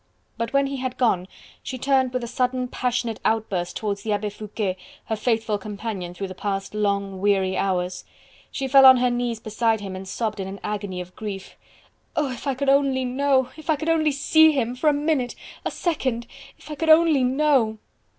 But when he had gone, she turned with a sudden passionate outburst towards the Abbe Foucquet, her faithful companion through the past long, weary hours. She fell on her knees beside him and sobbed in an agony of grief. "Oh! if I could only know... if I could only see him!... for a minute... a second!... if I could only know!..."